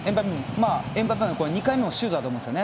エムバペも２回目もシュートだと思うんですね。